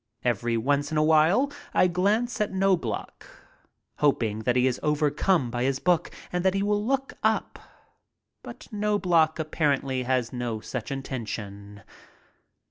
Every once in a while I glance at Knobloch, hoping that he is overcome by his book and that he will look up, but Knobloch apparently has no such intention.